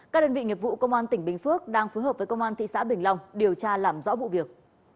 các đơn vị nghiệp vụ công an tỉnh bình phước đang phối hợp với công an thị xã bình long điều tra làm rõ vụ việc